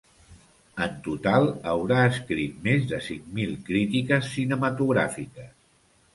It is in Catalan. En total, haurà escrit més de cinc mil crítiques cinematogràfiques.